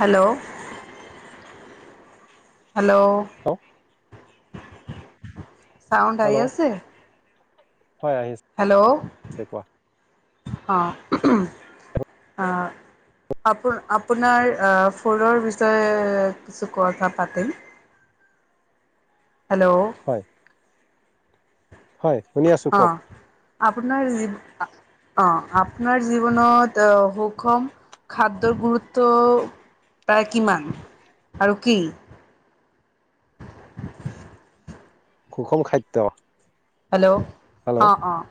Hello. Hello. Hello sound আহি hello আছে? হয়, আহি আছে কোৱা? অ' আ আপোনাৰ ফুলৰ বিষয়ে কিছু কথা পাতিম। হ্যালো হয় হয় শুনি আছো কওক অ', আপোনাৰ যি অ', আপোনাৰ জীৱনত অ', সুষম খাদ্যৰ গুৰুত্ব প্ৰায় কিমান আৰু কি? সুষম খাদ্য। হেল্ল' হেল্ল' অ', অ'।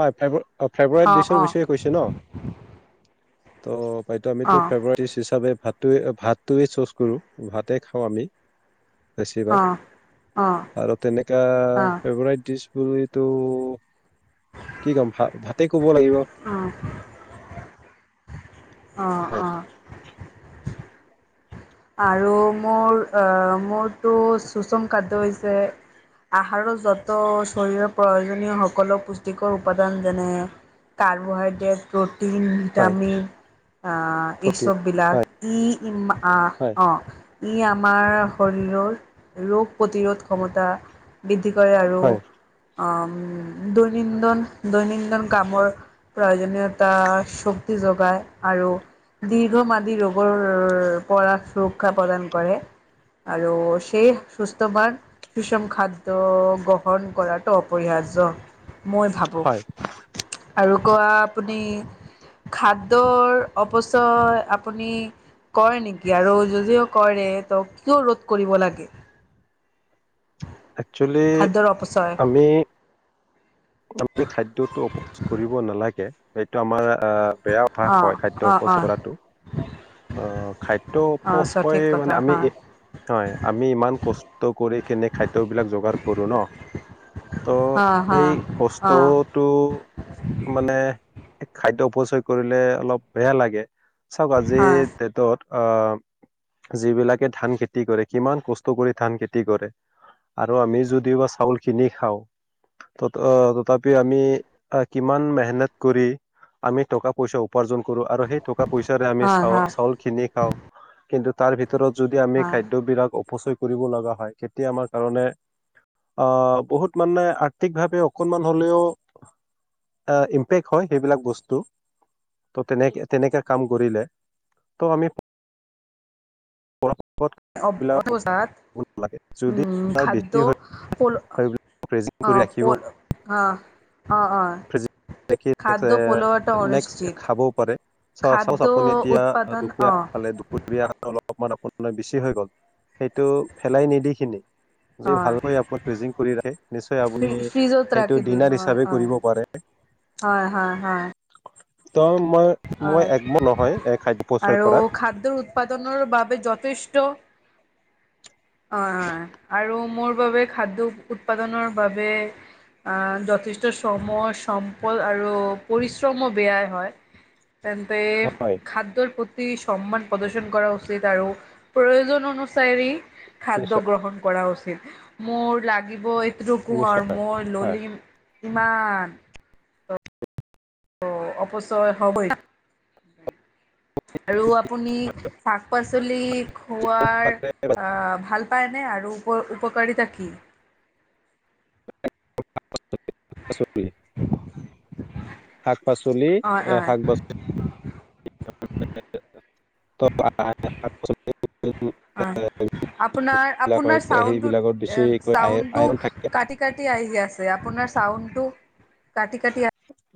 হয় [unintelligible] অ', ফেব্ৰুৱাৰীত ডিছৰ বিছয়ে কৈছে ন'? তো হয়টো আমি অঁ [unintelligible] হিচাপে ভাত টোৱে ভাতটোৱে চুজ কৰোঁ, ভাতে খাওঁ আমি। অঁ বেছিভাগ অঁ আৰু তেনেকা অঁ ফেভৰেট ডিছ টো এইটো কি কম ভাত? ভাতে ক'ব লাগিব। অঁ অ', হয় অ'। আৰু মোৰ অ', মোৰ তটো শুচুম কাদই যে আহাৰৰ য'ত শৰীৰৰ প্ৰয়োজনীয় সকলো পুষ্টিকৰ উপাদান যেনে কাৰ্বহাই টো প্ৰ'টিন, হয় ভিটামিন আ এই প্ৰটিন চববিলাক, হয় ই ইম আ হয় ই আমাৰ শৰীৰৰ ৰোগ প্ৰতিৰোধ ক্ষমতা বৃদ্ধি কৰে আৰু হয় অ' দৈনন্দিন দৈনন্দিন কামৰ প্ৰয়োজনীয়তা শক্তি যোগায় আৰু দীৰ্ঘমাদী ৰোগৰ পৰা সুৰক্ষা প্ৰদান কৰে আৰু সেই সুস্থৱান সুষম খাদ্য গ্ৰহণ কৰাটো অপৰিহাৰ্য। মই ভাবোঁ, হয় আৰু কোৱা আপুনি খাদ্যৰ অপচয় আপুনি কৰে নেকি? আৰু যদিও কৰে ত কিয় ৰোধ কৰিব লাগে? অ্যাকচুৱেলি খাদ্যৰ অপচয় আমি আমি খাদ্যতটো অপচয় কৰিব নালাগে, এইটো আমাৰ আহ বেয়া অভাস অ হয় খাদ্য অ অ অপচয় কৰাটো। আহ খাদ্য অ উপস হৈ সঠিক মানে কথা আমি, হা হয় আমি ইমান কষ্ট কৰি কিনে খাদ্যবিলাক যোগাৰ কৰো ন ত সেই কষ্টতটো মানে খাদ্য অপচয় কৰিলে অলপ বেয়া লাগে। চাওক আজি হয় ডেটত অ', যিবিলাকে ধান খেতি কৰে, কিমান কষ্ট কৰি ধান খেতি কৰে, আৰু আমি যদিয়ো বা চাউল কিনি খাওঁ ত'ত অ', তথাপি আমি আ, কিমান মেহনত কৰি আমি টকা পইচা উ উপাৰ্জন কৰোঁ আৰু সেই টকা পইচাৰে আমি হয় হয় চা-চাউল কিনি খাওঁ। কিন্তু তাৰভিত ভিতৰত যদি আমি হয় খাদ্যবিলাক অপচয় কৰিব লগা হয়, কেতিয়া আমাৰ কাৰণে আ, বহুত মানে আৰ্থিকভাৱে অকণমান হ'লেও অ', ইম্পেক্ট হয়, সেইবিলাক বস্তু, ত' তেনে-তেনেকে কাম কৰিলে। ত' আমি [unintelligible] [unintelligible] অ', বিলাক অপচয় কৰিব নালাগে। যদি আপোনাৰ বেছি হয় সেইবিলাক প্ৰেজেন্ট কৰি ৰাখিব পল' হা, অ', অ'। [unintelligible] নেক্সট খাবও পাৰে, খাদ্য আপুনি এতিয়া উৎপাদন দুপৰীয়া অঁ খালে দুপৰীয়া অলপমান আপুনি মানে বেছি হৈ গ'ল, সেইটো ফেলাই নিদি খিনি যদি অঁ ভালকৈ আপুনি ফ্ৰিজিং কৰি ৰাখে, নিশ্চয় আপুনি ফ্ৰিজত সেইটো ৰাখি দিম ডিনাৰ হয় হিচাপে হয় কৰিব পাৰে। হয়, হয়, হয়। ত মই অ', মই একমত নহয় খাদ্য প্ৰচয় আৰু কৰাত খাদ্যৰ উৎপাদনৰ বাবে যথে [unintelligible] অ', আৰু মোৰ বাবে খাদ্য উৎপাদনৰ বাবে আ, যথেষ্ট চম, চপল আৰু পৰিশ্ৰমো বেয়াই হয়। তেন্তে হয় খাদ্যৰ প্ৰত অতি সমান প্ৰদৰ্শন কৰা উচিত আৰু প্ৰয়োজন অনুসাৰী খাদ্য নিশ্চয় গ্ৰহণ কৰা উচিত। মোৰ লাগিব [unintelligible] আৰু নিশ্চয় মই হয় ললিম ইমান অ' অপচয় হবই। আৰু আপুনি শাক পাচলি খোৱাৰ পাচলি আহ ভাল পায়নে? আৰু ও উপকাৰিতা কি? [inaudible] [inaudible] শাক শাক পাচলি, অ', অ'। শাক পাচলিচল হয়, আপোনাৰ আপোনাৰ চাউণ্ডটো [unintelligible] চাউণ্ডটো আইৰণ থাকে। কাটি কাটি আহি আছে আপোনাৰ চাউণ্ডটো কাটি কাটি